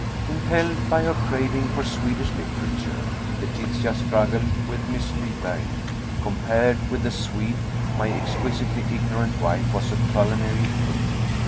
Impelled by her craving for Swedish literature, Letitia struggled with Miss Lyberg. Compared with the Swede, my exquisitely ignorant wife was a culinary queen.